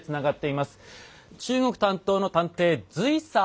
中国担当の探偵隋さん。